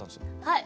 はい。